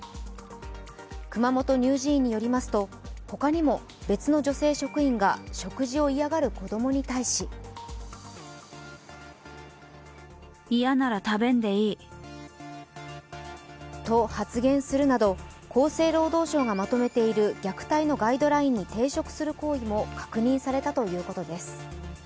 熊本乳児院によりますと、他にも別の女性職員が食事を嫌がる子供に対しと発言するなど、厚生労働省がまとめている虐待のガイドラインに抵触する行為も確認されたということです。